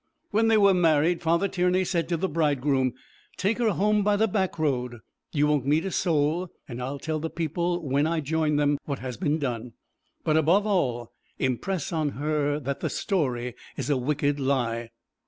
When they were married Father Tiernay said to the bridegroom: 'Take her home by the back road. You won't meet a soul, and I'll tell the people when I join them what has been done. But above all, impress on her that the story is a wicked lie.'